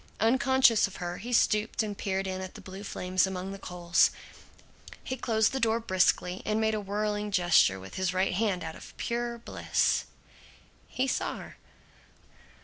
Unconscious of her, he stooped and peered in at the blue flames among the coals. He closed the door briskly, and made a whirling gesture with his right hand, out of pure bliss. He saw her.